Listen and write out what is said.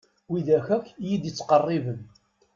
Wid akk iyi-d-ittqerriben.